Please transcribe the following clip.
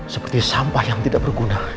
seperti sampah yang tidak berguna